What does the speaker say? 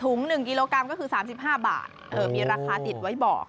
๑กิโลกรัมก็คือ๓๕บาทมีราคาติดไว้บอก